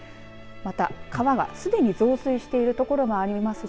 また、川はすでに増水している所もありますし